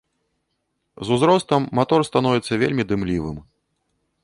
З узростам матор становіцца вельмі дымлівым.